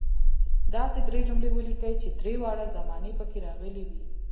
داسې درې جملې ولیکئ چې درې واړه زمانې پکې راغلي وي.